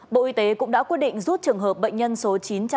bộ y tế cũng đã quyết định rút trường hợp bệnh nhân số chín trăm chín mươi bốn